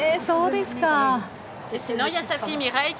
そうですか。